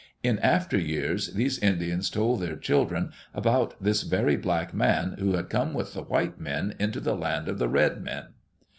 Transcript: In after years these Indians told their children about this very black man who had come with white men into the land of the red men.